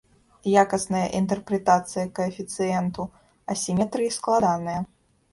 Якасная інтэрпрэтацыя каэфіцыенту асіметрыі складаная.